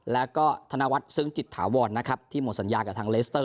แล้วก็ธนวัฒน์ซึ้งจิตถาวรนะครับที่หมดสัญญากับทางเลสเตอร์